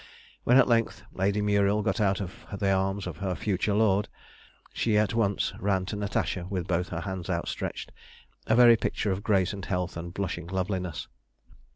When at length Lady Muriel got out of the arms of her future lord, she at once ran to Natasha with both her hands outstretched, a very picture of grace and health and blushing loveliness.